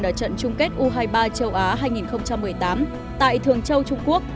ở trận chung kết u hai mươi ba châu á hai nghìn một mươi tám tại thường châu trung quốc